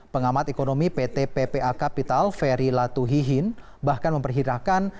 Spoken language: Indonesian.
pengamat ekonomi pt ppa kapital ferry latuhihin bahkan memperkirakan